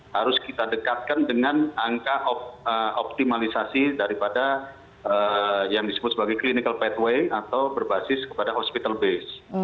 harus kita dekatkan dengan angka optimalisasi daripada yang disebut sebagai clinical pathway atau berbasis kepada hospital base